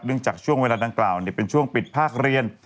จากช่วงเวลาดังกล่าวเป็นช่วงปิดภาคเรียน